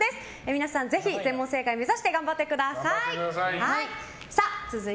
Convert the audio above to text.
皆さん、ぜひ全問正解目指して頑張ってください。